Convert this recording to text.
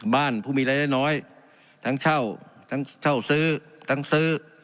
บ้านผู้มีใดแต่น้อยทั้งเช่าทางเช่าซื้อทั้งซื้อ